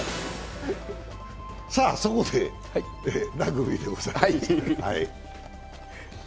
そこで、ラグビーでございます。